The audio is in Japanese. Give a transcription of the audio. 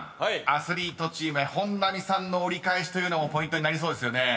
アスリートチーム本並さんの折り返しというのもポイントになりそうですよね］